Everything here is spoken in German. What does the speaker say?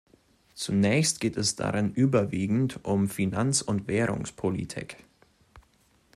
Zunächst geht es darin überwiegend um Finanz- und Währungspolitik.